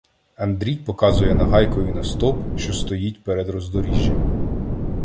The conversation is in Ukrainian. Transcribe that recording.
Андрій показує нагайкою на стовп, що стоїть перед роздоріжжям.